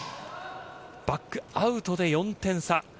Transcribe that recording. バックアウトで４点差。